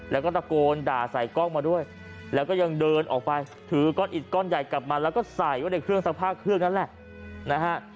แล้วก็ตะโกนด่าใส่กล้องมาด้วยแล้วก็ยังเดินออกไปถือก้อนอิดก้อนใหญ่กลับมาแล้วก็ใส่ไว้ในเครื่องซักผ้าเครื่องนั้นแหละนะฮะ